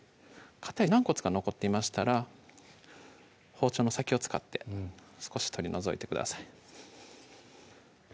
かたい軟骨が残っていましたら包丁の先を使って少し取り除いてください